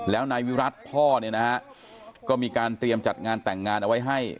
แล้วนายวิรัติพ่อเนี่ยนะฮะก็มีการเตรียมจัดงานแต่งงานเอาไว้ให้